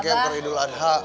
kepter hidul adha